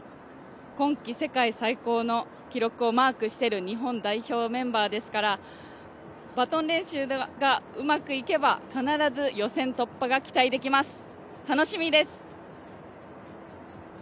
今季世界最高の記録をマークしている日本代表メンバーですから、バトン練習がうまくいけば、必ず予選突破が期待できます、楽しみです。